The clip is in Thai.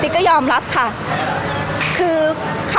พี่ตอบได้แค่นี้จริงค่ะ